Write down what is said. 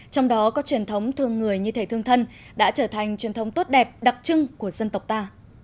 trong đó có truyền thống thương người như thể thương thân đã trở thành truyền thống tốt đẹp đặc trưng của dân tộc ta